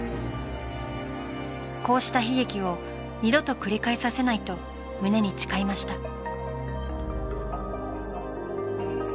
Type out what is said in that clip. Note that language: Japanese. こうした悲劇を二度と繰り返させないと胸に誓いました。